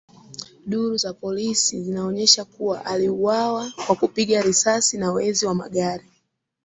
Duru za polisi zinaonyesha kuwa aliuawa kwa kupiga risasi na wezi wa magari